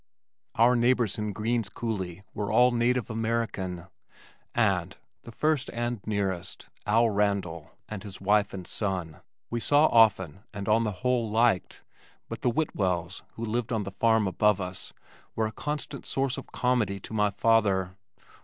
Our neighbors in Green's Coulee were all native American. The first and nearest, Al Randal and his wife and son, we saw often and on the whole liked, but the Whitwells who lived on the farm above us were a constant source of comedy to my father.